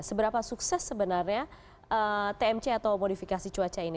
seberapa sukses sebenarnya tmc atau modifikasi cuaca ini